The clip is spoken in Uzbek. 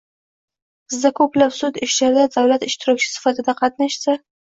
Bizda ko‘plab sud ishlarida davlat ishtirokchi sifatida qatnashsa